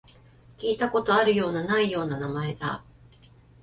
聞いたことあるような、ないような名前だ